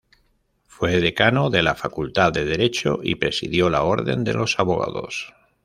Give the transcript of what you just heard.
Fue Decano de la Facultad de Derecho y presidió la Orden de los abogados.